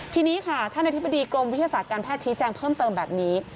ทีนี้ค่ะท่านอธิบดีกรมวิทยาศาสตร์การแพทย์ชี้แจงเพิ่มเติมแบบนี้